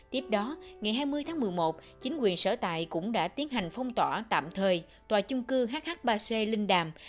tiếp đó ngày hai mươi tháng một mươi một chính quyền sở tại cũng đã tiến hành phong tỏa tạm thời tòa chung cư hh ba c linh đàm